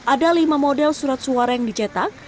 ada lima model surat suara yang dicetak